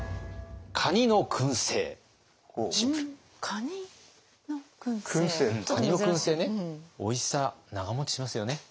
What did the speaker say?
カニのくんせいねおいしさ長持ちしますよね。